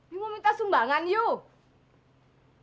you mau minta sumbangan you